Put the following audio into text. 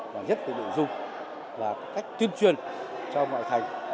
và rất là đủ dung và cách tuyên truyền cho ngoại thành chúng ta sau khi bởi vậy